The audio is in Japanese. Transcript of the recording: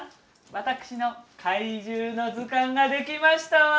私の怪獣の図鑑が出来ましたわ。